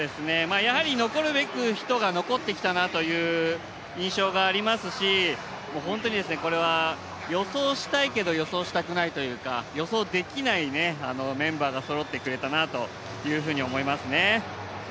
残るべく人が残ってきたなという印象がありますし、本当にこれは予想したいけど、予想したくないというか、予想できないメンバーがそろってくれたなと思いますね。